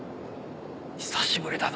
久しぶりだな。